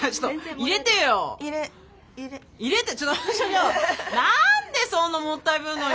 入れて何でそんなもったいぶんのよ。